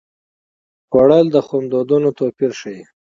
خوړل د خوندونو توپیر ښيي